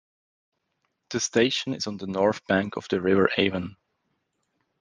The station is on the north bank of the River Avon.